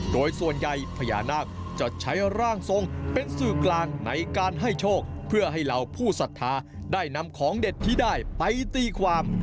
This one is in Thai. โดยส่วนใหญ่พญานาคจะใช้ร่างทรงเป็นสื่อกลางในการให้โชคเพื่อให้เหล่าผู้ศรัทธาได้นำของเด็ดที่ได้ไปตีความ